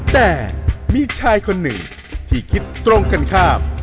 แต่มีชายคนหนึ่งที่คิดตรงกันข้าม